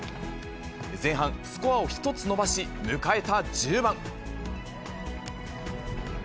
前半、スコアを１つ伸ばし、迎えた１０番。